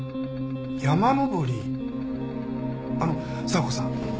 あの爽子さん